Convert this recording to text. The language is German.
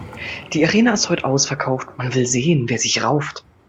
Die Arena ist heut' ausverkauft, man will sehen, wer sich rauft.